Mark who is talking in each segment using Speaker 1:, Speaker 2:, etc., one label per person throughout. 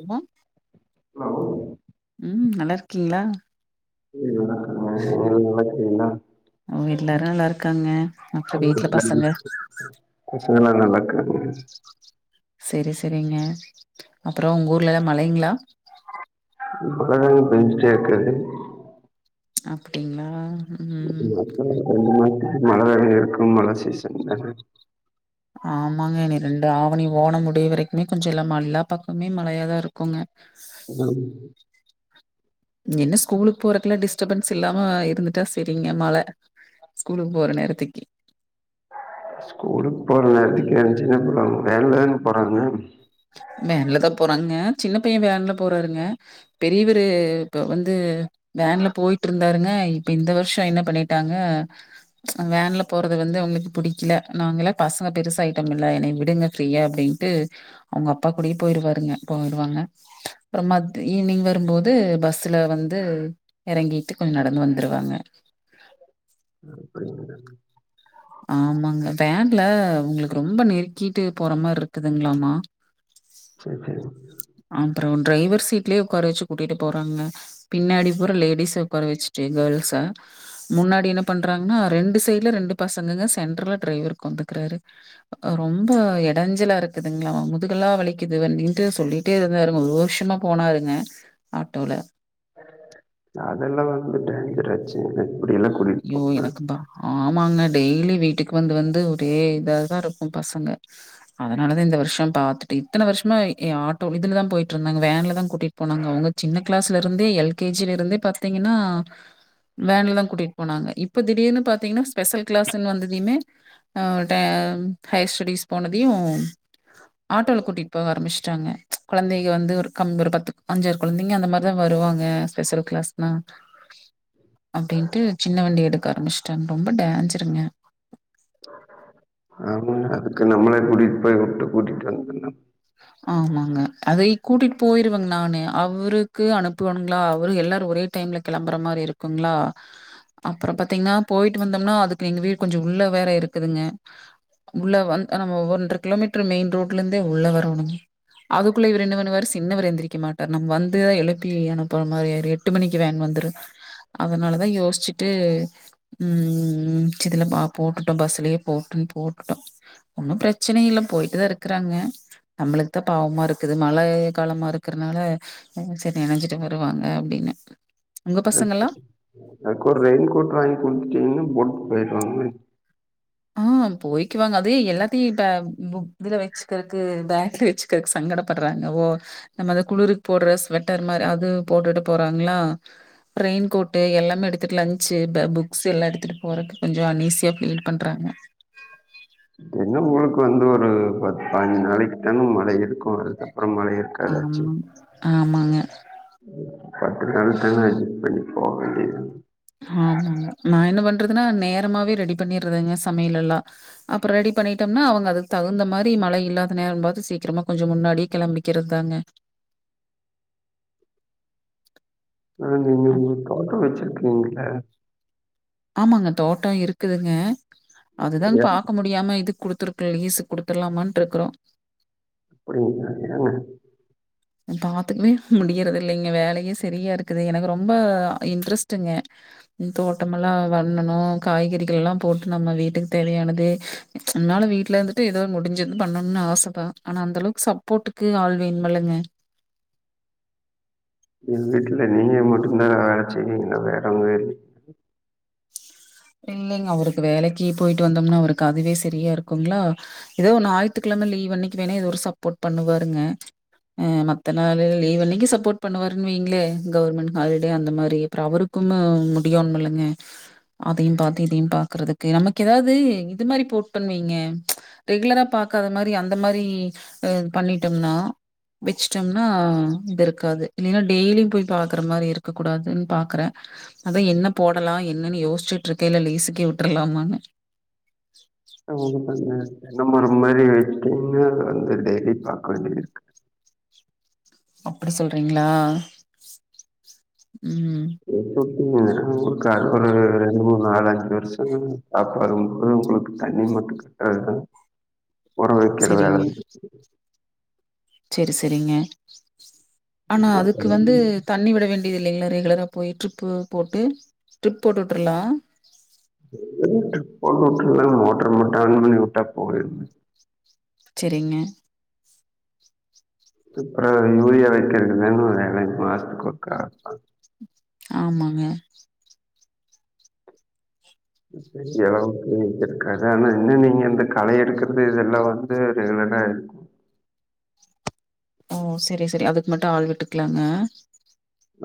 Speaker 1: என்ன
Speaker 2: ஹலோ
Speaker 1: ம் நல்லாருக்கீங்ளா
Speaker 2: [inaudible]
Speaker 1: அவங்க எல்லாரு நல்லாருக்காங்க
Speaker 2: [inaudible] பசங்கல்லா நல்லா இருக்காங்க
Speaker 1: சரி சரிங்க அப்ற உங்க ஊர்லல்லா மழைங்களா
Speaker 2: மழ வேற பெஞ்சுட்டே இருக்கு
Speaker 1: அப்படிங்ளா ம்
Speaker 2: [inaudible] மழ வேல இருக்கு மழ சீசன் தான்
Speaker 1: ஆமாங்க நீ ரெண்டு ஆவணி ஓனம் முடிய வரைக்குமே கொஞ்சோ இல்லாம எல்லா பக்கமே மழையாதா இருக்குங்க
Speaker 2: உங்களுக்
Speaker 1: என்ன ஸ்கூலுக்கு போறதுல டிஸ்டர்பன்ஸ் இல்லாம இருந்துட்டா சரிங்க மழ ஸ்கூலுக்கு போற நேரத்துக்கே
Speaker 2: ஸ்கூலுக்கு போற நேரத்துக்கே எந்ச்சு என்ன பண்ணுவாங்க வேன்லதான போறாங்க
Speaker 1: வேன்ல தான் போறாங்க சின்ன பையன் வேன்ல போறாருங்க பெரியவரு இப்ப வந்து வேன்ல போயிட்டு இருந்தாருங்க இப்ப இந்த வருஷம் என்ன பண்ணிட்டாங்க வேன்ல போறது வந்து அவங்களுக்கு பிடிக்கல நாங்கல்லா பசங்க பெருசாய்ட்டம்ல எனைய விடுங்க ஃப்ரீயா அப்படின் ட்டு அவங்க அப்பா கூடயே போய்ருவாருங்க போய்டுவாங்க அப்றமா ஈவினிங் வரும்போது பஸ்ல வந்து இறங்கிட்டு கொஞ்சோ நடந்து வந்துருவாங்க
Speaker 2: அப்டிங்களா
Speaker 1: ஆமாங்க வேன்ல உங்களுக்கு ரொம்ப நெருக்கிட்டு போற மாரி இருக்குதுங்களாமா
Speaker 2: செரி செரி
Speaker 1: அப்ற டிரைவர் சீட்லயே உக்கார வச்சு கூட்டிட்டு போறாங்க பின்னாடி பூரா லேடிஸ உக்கார வச்சுட்டு கேர்ள்ஸ முன்னாடி என்ன பண்றாங்கன்னா ரெண்டு சைடுல ரெண்டு பசங்கங்க சென்டர்ல டிரைவர் உக்காந்துக்கறாரு ரொம்ப இடஞ்சலா இருக்குதுங்களா அவன் முதுகலா வலிக்குது அப்டின்ட்டு சொல்லி ட்டே இருந்தாரு ஒரு வருஷமா போனாருங்க ஆட்டோல
Speaker 2: அதெல்லா வந்து டேஞ்ஜராச்சே எனக் புரில
Speaker 1: ஐயோ எனக்குந்தா ஆமாங்க டெய்லி வீட்டுக்கு வந்து வந்து ஒரே இதாதான் இருக்கும் பசங்க அதனாலதா இந்த வருஷம் பாத்துட்டு இத்தனை வருஷமா ஆட்டோ இதுலதா போயிட்டு இருந்தாங்க வேன்லதா கூட்டிட் போனாங்க அவங்க சின்ன கிளாஸ்ல இருந்தே எல்கேஜில இருந்தே பாத்தீங்கன்னா வேன்ல தான் கூட்டிட்டு போனாங்க இப்போ திடீர்னு பாத்தீங்கன்னா ஸ்பெஷல் கிளாஸ்ன்னு வந்ததுமே அ ஹையர் ஸ்டடிஸ் போனதையு ஆட்டோல கூட்டிகிட்டு போக ஆரம்பிச்சுட்டாங்க கொழந்தைங்க வந்து ஒரு கம் ஒரு பத்து அஞ்ச கொழந்தைங்க அந்த மாரிதா வருவாங்க ஸ்பெஷல் க்ளாஸ்னா அப்டின்ட்டு சின்ன வண்டி எடுக்க ஆரம்பிச்சுட்டாங்க ரொம்ப டேஞ்சருங்க
Speaker 2: ஆமாங்க அதுக்கு நம்மளே கூட்டிட் போய் வுட்டு கூட்டிட்டு வந்துட்லா
Speaker 1: ஆமாங்க அதை கூட்டிட் போயிருவங் நானே அவுருக்கு அனுப்புவேனுங்ளா அவரு எல்லாரு ஒரே டைம்ல கெளம்புற மாரி இருக்குங்ளா அப்பற பாத்திங்னா போய்ட்டு வந்தம்னா அதுக்கு எங்க வீடு கொஞ்ச உள்ள வேற இருக்குதுங்க உள்ள வந் நம்ம ஒன்ற கிலோமீட்ர் மெயின் ரோட்லந்தே உள்ள வரோணு அதுக்குள்ள இவரென்ன பண்ணுவாரு சின்னவர் எந்திரிக்க மாட்டார் நம்ம வந்துதா எழுப்பி அனுப்புற மாரியாயிரு எட் எட்டு மணிக்கு வேன் வந்துரு அதனாலதா யோசிச்சுட்டு ம் சிதுல போட்டுட்டோ பஸ்லயே போட்டுன்னு போட்டுட்டோ ஒன்னும் பிரச்சனை இல்ல போய்ட்டுதா இருக்கிறாங்க நம்மளுக்குதா பாவமா இருக்குது மழை காலமா இருக்கறனால சரி நனைஞ்சிட்டு வருவாங்க அப்டின்னு உங்க
Speaker 2: அ
Speaker 1: பசங்கல்லா
Speaker 2: அது ஒரு ரெயின்கோட் வாங்கி குடுத்துட்டிங்கன்னா போட் போயிடுவாங்க
Speaker 1: ஆ போய்க்கு வாங்க அதுே எல்லாத்தையு இப்ப இதுல வச்சுக்கறக்கு பேக்ல வச்சு சங்கடப்படுறாங்க ஓ நம்ம அந்த குளிருக்கு போடுற ஸ்வெட்டர் மாரி அது போட்டுட்டு போறாங்களா ரெயின் கோட்டு எல்லாமே எடுத்துட்டு லஞ்ச் புக்ஸ் எல்லா எடுத்துகட்டு போறக்கு கொஞ்ச அனீஸியா ஃபீல் பண்றாங்க
Speaker 2: என்ன மூலைக்கு வந்து ஒரு பத்து பாஞ்சு நாளைக்கு தானே மழ இருக்கு அதுக்கப்பற மழ இருக்கா
Speaker 1: ஆ ஆமாங்க
Speaker 2: பத்து நாள் தானே பண்ணி போக வேண்டிதா
Speaker 1: ஆமாங்க நா என்ன பண்றதுன்னா நேரமாவே ரெடி பண்ணிரதுங்க சமையலெல்லா அப்புற ரெடி பண்ணிட்டம்னா அவங்க அதுக்தகுந்த மாரி மழை இல்லாத நேரம்பாத்து சீக்கிரமா கொஞ்ச முன்னாடி கெளம்பிக் க்கிறதாங்க
Speaker 2: ஆ நீங்க
Speaker 1: அம்
Speaker 2: உங்க தோட்டோ வச்சிருக்கீங்கள
Speaker 1: ஆமாங்க தோட்ட இருக்குதுங்க அதுதாங்
Speaker 2: ஏன்
Speaker 1: பாக்க மு முடியாம இதுக்குடுத்துருக்கு லீசுக்குடுத்துர்லாமான்ட்ருக்றோ
Speaker 2: அட ஏங்க
Speaker 1: பாத்துக்வே முடியறதில்லிங்க வேலையே சரியாருக்குது எனக்கு ரொம்ப இன்ட்ரெஸ்டுங்க தோட்டமெல்லா வண்ணணு காய்கறிகள்லெல்லா போட்டு நம்ம வீட்டுக் தேவையானது நம்ளால வீட்லந்துட்டு ஏதோ முடிஞ்சது பண்ணணுனு ஆசதா ஆனா அந்தளவுக் சப்போட்டுக்கு ஆள் வேன்மல்லங்க
Speaker 2: எ வீட்டுல நீங்க மட்டுந்தா வேல செய்விங்களா வேறவங்க இ
Speaker 1: இல்லைங்க அவருக்கு வேலைக்கு போயிட்டு வந்தம்னா அவருக்கு அதுவே சரியா இருக்குங்ளா ஏதோ ஒ ஞாயித்துக்கெழம லீவ் அன்னிக் வேணா ஏதோ ஒரு சப்போர்ட் பண்ணுவாருங்க அ மத்தநாளுல லீவ்வன்னைக்கு சப்போர்ட் பண்ணுவாருன் வைங்ளே கவர்மெண்ட் ஹாலிடே அந்த மாரி அப்புற அவருக் குமு முடியோன்மல்லங்க அதையு பாத்து இதையு பாக்கறதுக்கு நமக்கெதாது இது மாரி போட்டன்வைங்க ரெகுலரா பாக்காத மாரி அந்த மாரி அ பண்ணிட்டம்னா வெச்சுட்டம்னா இதுருக்காது இல்லின்னா டெய்லியும் போய் பாக்கற மாரி இருக்க கூடாதுன் பாக்றே அதா என்ன போடலா என்னனு யோசிச்சுட்ருக்க இல்ல லீசுக்கே விட்ரலாமான்னு
Speaker 2: ஆமாங்க தென்னமர மாரி வச்சிட்டேன்னு வந்து டெய்லி பாக்க வேண்டியதிருக்கு
Speaker 1: அப்படி சொல்றிங்ளா ம்
Speaker 2: [unintelligible] ஒரு ரெண்டு மூனு நாலு அஞ்சு வருஷ சாப்பாடு [unintelligible] தண்ணி மட்டு கட்ர வேல ஒர வக்கிற வேல
Speaker 1: சேரி சேரிங்க ஆனா அதுக்கு வந்து
Speaker 2: மத்தபடி
Speaker 1: தண்ணி விட வேண் டிதில்லிங்ளா ரெகுலரா போய் ட்ரிப்பு போட்டு ட்ரிப் போட்டுட்ரலா
Speaker 2: [unintelligible] போட்டுட்ரலாங் மோட்ர் மட்டு ஆன் பண்ணி வுட்டா போதுங்
Speaker 1: செரிங்க
Speaker 2: அப்றோ யூரியா வைக்கிற தாங்க வேல மாசத்துக்கொருக்கா
Speaker 1: ஆமாங்க
Speaker 2: பெரிய அளவுக்கு இருக்காது ஆனா என்ன நீங்க இந்த கல எடுக்கிறது இதெல்லா வந்து ரெகுலரா எடு
Speaker 1: ஓ செரி செரி அதுக்கு மட்டு ஆள் விட்டுக்கலாங்க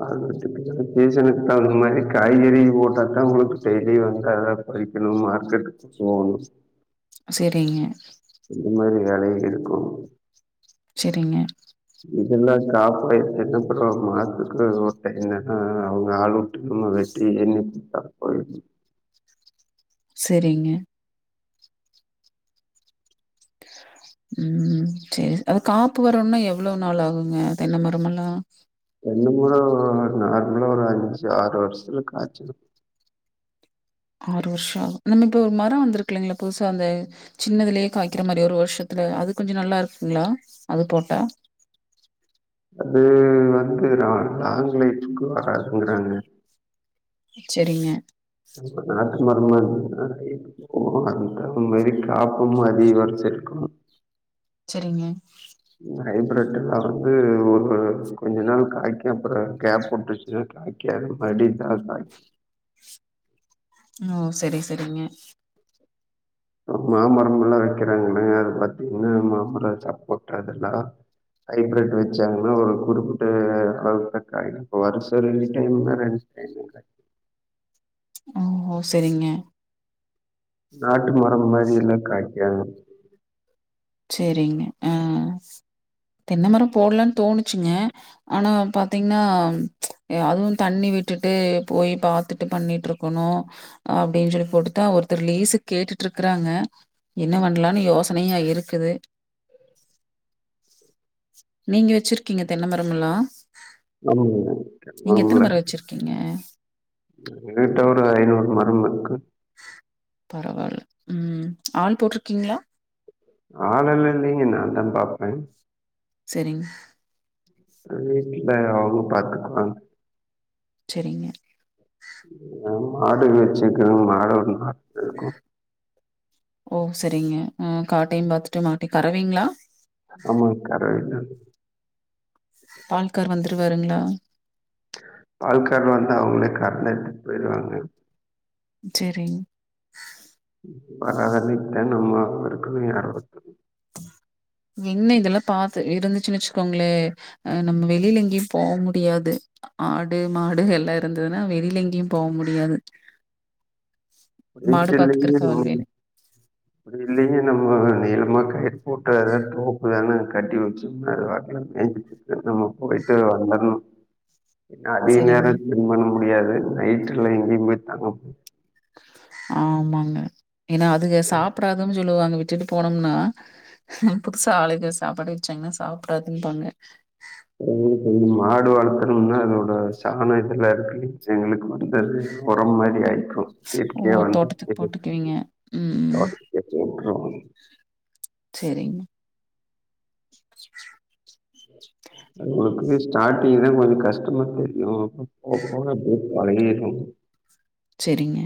Speaker 2: அதுமட்டுமில்லாமா சீசனுக்கு தகுந்த மாரி காய்கறி போட்டா தா உங்ளுக்கு டெய்லி வந்தா வைக்கணு மார்க்கெட்டுக் போவணு
Speaker 1: செரிங்க
Speaker 2: இந்த மாரி வேலைக இருக்கு
Speaker 1: செரிங்க
Speaker 2: இதெல்லா காப்பாயிடுச்சுன அப்றோ மாசத்துக்கு ஒரு டைம் என்னென்னா அவங்க ஆள் உட்டு சும்மா வெ வெட்டி எண்ணி குடுத்தா போது
Speaker 1: செரிங்க ம் சேரி அது காப்பு வரோன்னா எவ்ளோ நாள் ஆகுங்க தென்ன மரமெல்லா
Speaker 2: தென்னமர நார்மலா ஒரு அஞ்சு ஆறு வருஷத்துல காச்சுரு
Speaker 1: ஆறு வருஷோ ஆகு நம்ம இப்ப ஒரு மர வந்திருக்கில்லங்ளா புதுசா அந்த சின்னதுலயே காய்க்கிற மாரி ஒரு வருஷத்துல அது கொஞ்சோ நல்லா இருக்குங்ளா அது போட்டா
Speaker 2: அது வந்து லாங் லைஃப்க்கு வராதுங்றாங்க
Speaker 1: செரிங்க
Speaker 2: நாட்டு மருந்து [unintelligible] ஓ அந்த மாரி காப்பு மாரி [unintelligible]
Speaker 1: செரிங்க
Speaker 2: ஹைபிரெட்ல்லா வந்து ஒரு கொஞ்சோ நாள் காய்க்கு அப்றோ கேப் வுட்டுச்சுனா காய் காது மறுபடியு ஸ்டாப் ஆய்டு
Speaker 1: ஓ செரி செரிங்க
Speaker 2: மாமரோல்லா வெக்கிறாங்கல்லங்க அது பாத்தீங்ன்னா மாமரோ சாப்போட்ட அதெல்லா ஹைப்ரெட் வெச்சாங்கன்னா ஒரு குறிப்பிட்ட அளவுக்கு தா காயு இப்ப வருசோ ரெண்டு டைம்னா ரெண்டு டைம் தா காயு
Speaker 1: ஓ ஓ செரிங்க
Speaker 2: நாட்டு மரோ மாரில்லா காய்க்காது
Speaker 1: செரிங்க அ தென்னமரோ போட்லன்னு தோணுச்சுங்க ஆனா பாத்தீங்ன்னா அதுவு தண்ணி விட்டுட்டு போய் பாத்துட்டு பண்ணிட்டு இருக் க்கணு அப்டின் சொல்லி போட்டுதா ஒர்த்தர் லீஸ்சுக் கேட்டு இருக்குறாங்க என்ன பண்ணலானு யோசனையா இருக் குது நீங்க வெச்சிர்க்கீங்க தென்னமரெமெல்லா
Speaker 2: ஆமாங்க
Speaker 1: மரம் வச்சிருக்கீங்க?
Speaker 2: [unintelligible] எங்கிட்ட ஒரு ஐநூறு மரம் இருக்கு
Speaker 1: பரவால்ல ம் ஆள் போட்ருக்கீங்ளா
Speaker 2: ஆள் எல்லா இல்லிங்க நா தா பாப்பே
Speaker 1: செரிங்
Speaker 2: வீட்ல அவங்க பாத்துக்குவாங்
Speaker 1: செரிங்க
Speaker 2: எங்க அம்மா மாடு வெச்சுக்குறாங் மாடு ஒரு நாலு மாடிருக்கு
Speaker 1: ஓ செரிங்க ம் காட்டையு பாத்துட்டு மாட்டே கரவீங்ளா
Speaker 2: ஆமாங் கரவைதாங்
Speaker 1: பால்கார் வந்துருவார்ங்ளா
Speaker 2: பால்கார் வந்து அவங்களே கறந்து எடுத்துட்டு போய்டுவாங்க
Speaker 1: சேரிங்
Speaker 2: பரவால்லைங்த்த நம்ம அவுங்களுங்கு யா
Speaker 1: என்ன இதெல்லா பாத்து இருந்துச்சுன் வச்கோங்ளே அ நம்ம வெளில எங்கயு போ முடியாது ஆடு மாடு எல்லா இருந்ததுனா வெளில எங்கியு போ முடியாது
Speaker 2: அப்டி ஒண்ணு
Speaker 1: மாடு பார்த்துக்கறக்கு
Speaker 2: தெர்லிங்க
Speaker 1: ஆள்
Speaker 2: அப்டி
Speaker 1: வேணும்.
Speaker 2: இல்லிங்க நம்ம நீளமா கயிற் போட்டற தோப்பு தான கட்டி வச்சம்னா அது பாட்ல மேஞ்சுட்டு நம்ம போய்ட்டு வந்தர்லா என்ன அதிக
Speaker 1: சரிங்க.
Speaker 2: நேரோ ஸ்பெண்ட் பண்ண முடியாது நைட்ல எங்கேயு போய் தங்க
Speaker 1: ஆமாங்க ஏனா அதுக சாப்டாதுன் சொல்லுவாங்க விட்டுட்டு போனம்னா புதுசா ஆளுங்க சாப்பாடு வச்சாங்கன்னா சாப்டாதும்பாங்க
Speaker 2: எங்ளுக்கு வந்து மாடு வளத்தனம்னா அதோட சாண இதெல்லாருக்கு இல்லிங்க எங்ளுக்கு வந்தது ஒரம் மாரி ஆய்க்கு
Speaker 1: ஓ!
Speaker 2: இயற்கையா வந்த
Speaker 1: தோட்டத்துக்கு போட்டுக்குவீங்க. ம். ம். சேரிங்க
Speaker 2: ஒங்ளுக்குமே ஸ்டாடிங்தா கொஞ்ச கஷ்டமா தெரியு அப்றோ போக போக அப்டியே பழகிரு
Speaker 1: செரிங்க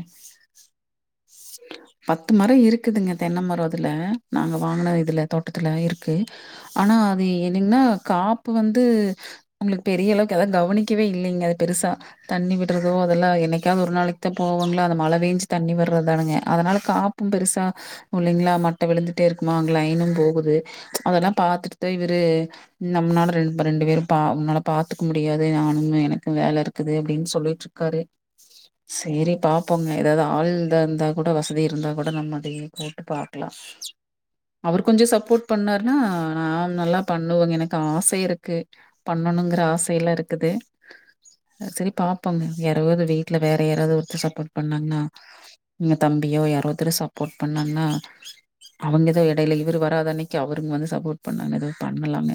Speaker 1: பத்து மரோ இருக்குதுங்க தென்ன மரோ அதுல நாங்க வாங்குன இதுல தோட்டத்துல இருக்கு ஆனா அது என்னங்ன்னா காப்பு வந்து நம்ளுக் பெரிய அளவுக்கெதா கவனிக்கவே இல்லைங்க அது பெருசா தண்ணி விட்றதோ அதெல்லா என்னைக்காவ்து ஒரு நாளைக்தா போவோங்ளா அது மழ பேஞ்சு தண்ணி வ ட்ரதானங்க அதனால காப்பும் பெருசா உல்லைங்ளா மட்ட விழுந்துட்டேருக்குமா அங்க லைன்னும் போகுது அதெல்லா பாத்துட் தா இவுரு நம்ன்னால ரெண் ரெண்டு பேரு பா ஒன்னால பாத்துக் முடியாது நானும் எனக்கு வேல இருக்குது அப்டின் சொல்லிட்ரு க்காரு சேரி பாப்போங்க எதாது ஆள் எதா இந்தா கூட வசதி இருந்தா கூட நம்ம அதயே போட்டு பாக்லா அவ்ரு கொஞ்சோ சப்போர்ட் பண்ணாருன்னா நான் நல்லா பண்ணுவங்க எனக்கு ஆசை இருக்கு பண்ணணுங்ற ஆசயல்லா இருக்குது அ செரி பாப்போங்க யாரோ இத வீட்ல வேற யாராவ்து ஒருத்தர் சப்போர்ட் பண்ணாங்ன்னா எங்க தம்பியோ யாரோ ஒர்த்தர் சப்போர்ட் பண்ணாங்னா அவுங்க எதோ எடைல இவ்ரு வராத அன்னக்கி அவருங்க வந்து சப்போர்ட் பண்ணா என்னது பண்ணலாங்க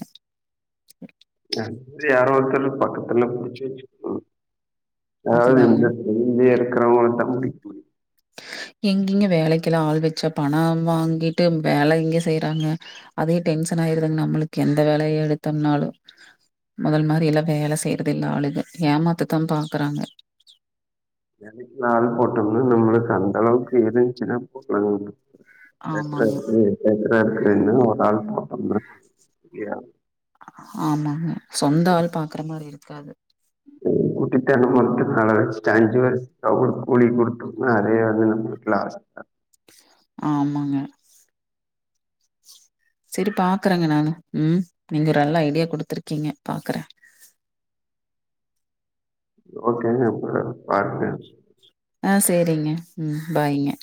Speaker 2: அந்தூர்ல யாரோ ஒருத்தர் பக்கத்துல புடிச்சு வச்சுகோங்க
Speaker 1: அதுதாங்க.
Speaker 2: யாராவ்து இங்கயே இருக்கறவங்கள்ட்ட
Speaker 1: எங்கிங்க வேலைக்கெல்லா ஆள் வச்சா பணம் வாங்கிட்டு வேல எங்க செய்றாங்க அதே டென்ஷன் ஆயிருதுங்க நம்ளுக்கு எந்த வேலய எடுத்தம்னாலு மொதல் மாரி எல்லா வேல செய்றது இல்ல ஆளுக ஏமாத்தத்தா பாக்குறாங்க
Speaker 2: தெனைக்கி ஆள் போட்டம்ன்னா நம்ளுக்கு அந்தளவுக்கு [unintelligible] போட்லங்க
Speaker 1: ஆமாங்க
Speaker 2: சேக்றாருக்கு சேக்றாருக்குனு ஒரு ஆள் போட்டம்னா முடியாது
Speaker 1: ஆமாங்க சொந்த ஆள் பாக்ற மாரி இருக்காது
Speaker 2: உ முன்கூட்டிதனமா விட்டு கட வச்சுட்டு அஞ்சுவர்ஷத்துல ஒரு கோடி குடுத்தம்னா அதே அது நம்ளுக்கு லாஸ் தா
Speaker 1: ஆமாங்க செரி பாக்குறேங்க நானு ம் நீங்க ஒரு நல்ல ஐடியா குடுத்துருக்கீங்க பாக்றே
Speaker 2: ஓகே ப்ப பாருங்க
Speaker 1: ஆ சேரிங்க ம் பாய்ங்க